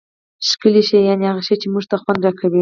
ښکلی شي یعني هغه شي، چي موږ ته خوند راکوي.